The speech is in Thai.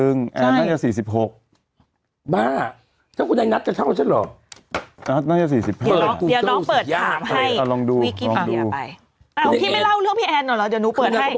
เอ้าพี่ไม่เล่าเรื่องพี่แอนหน่อยเหรอเดี๋ยวหนูเปิดให้